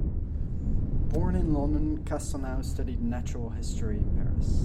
Born in London, Castelnau studied natural history in Paris.